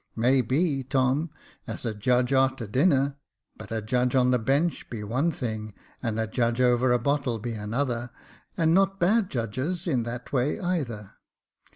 " May be, Tom, as a judge a'ter dinner ; but a judge on the bench be one thing, and a judge over a bottle be another, and not bad judges in that way either.